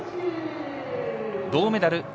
銅メダル